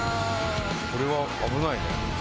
これは危ないね。